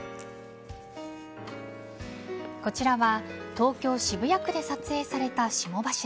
こちらは東京・渋谷区で撮影された霜柱。